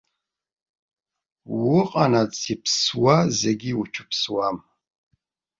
Уҟанаҵ иԥсуа зегь уцәыԥсуам.